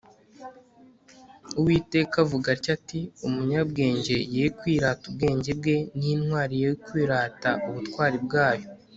uwiteka avuga atya ati 'umunyabenge ye kwirata ubwenge bwe, n'intwari ye kwirata ubutwari bwayo